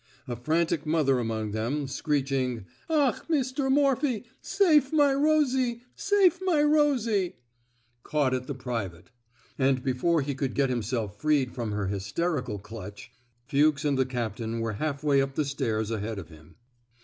A frantic mother among them — screeching, *^ Ach, Mr. Morphy, sate my Eosie! Safe my Eosiel'' — caught at the private; and before he could get himself freed from her hysterical clutch, Fuchs 102 PRIVATE MORPHY^S ROMANCE and the captain were half way up the stairs ahead of him.